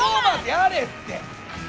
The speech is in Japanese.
やれって！